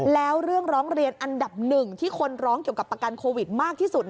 แล้วเรื่องร้องเรียนอันดับหนึ่งที่คนร้องเกี่ยวกับประกันโควิดมากที่สุด